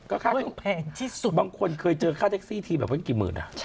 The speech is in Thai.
ก็เกี่ยวกันแรงที่สุดบางคนเคยเจอค่าท็อคที่มีกลิ้นแบบเกี่ยวกินหมื่นอ่ะ